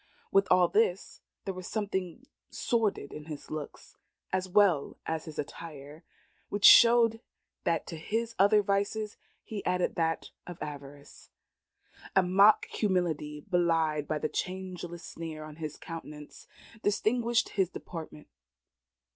With all this, there was something sordid in his looks as well as his attire, which showed that to his other vices he added that of avarice. A mock humility, belied by the changeless sneer upon his countenance, distinguished his deportment.